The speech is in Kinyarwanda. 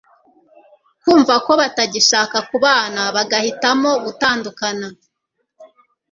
kumva ko batagishaka kubana bagahitamo gutandukana